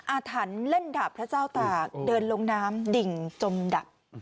อาถรรพ์เล่นดาบพระเจ้าตากเดินลงน้ำดิ่งจมดับ